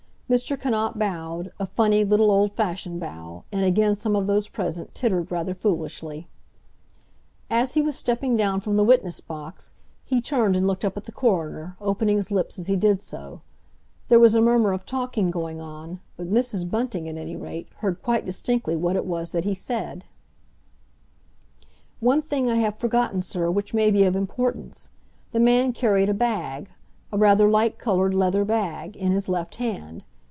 Mr. Cannot bowed, a funny, little, old fashioned bow, and again some of those present tittered rather foolishly. As he was stepping down from the witness box, he turned and looked up at the coroner, opening his lips as he did so. There was a murmur of talking going on, but Mrs. Bunting, at any rate, heard quite distinctly what it was that he said: "One thing I have forgotten, sir, which may be of importance. The man carried a bag—a rather light coloured leather bag, in his left hand.